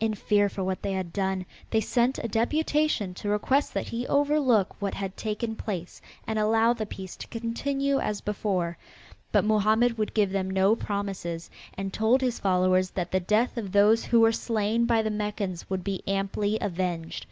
In fear for what they had done, they sent a deputation to request that he overlook what had taken place and allow the peace to continue as before, but Mohammed would give them no promises, and told his followers that the death of those who were slain by the Meccans would be amply avenged.